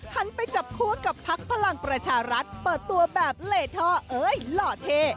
หันไปจับครัวกับพรรคพลังประชารัฐเปิดตัวแบบเหลทอเห้ยหล่อเท